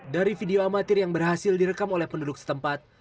dari video amatir yang berhasil direkam oleh penduduk setempat